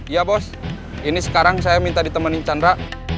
iya bos ini sekarang saya minta ditemenin chandra